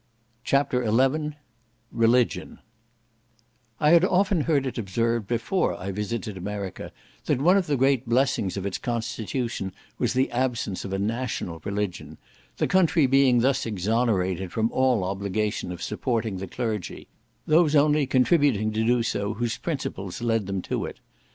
CHAPTER XI Religion I had often heard it observed before I visited America, that one of the great blessings of its constitution was the absence of a national religion, the country being thus exonerated from all obligation of supporting the clergy; those only contributing to do so whose principles led them to it.